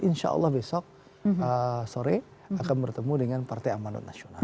insya allah besok sore akan bertemu dengan partai amanat nasional